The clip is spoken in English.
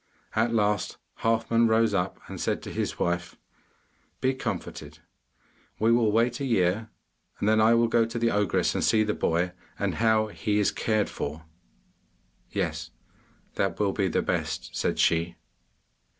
At last Halfman rose up and said to his wife, 'Be comforted; we will wait a year, and then I will go to the ogress and see the boy, and how he is cared for.' 'Yes, that will be the best,' said she.